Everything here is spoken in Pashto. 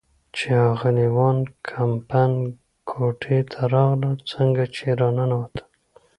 چې اغلې وان کمپن کوټې ته راغلل، څنګه چې را ننوتل.